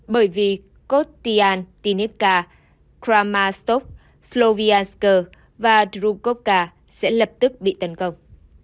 bởi vì kotian tinevka kramastok sloviansk và drukovka sẽ lập tức bị tấn công